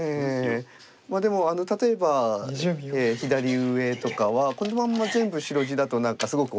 まあでも例えば左上とかはこのまんま全部白地だと何かすごく大きく見えるじゃないですか。